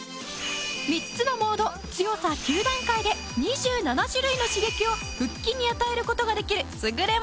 ３つのモード強さ９段階で２７種類の刺激を腹筋に与える事ができる優れもの。